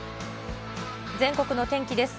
全国の天気です。